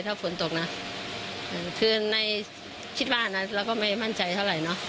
ถ้าฝนตกนะคือในคิดว่านะเราก็ไม่มั่นใจเท่าไหร่เนอะ